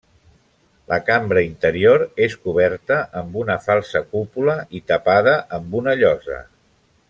La cambra interior és coberta amb una falsa cúpula i tapada amb una llosa.